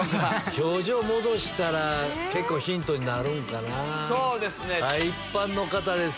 表情戻したら結構ヒントになるんかな。